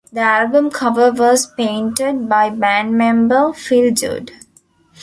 The album cover was painted by band member Phil Judd.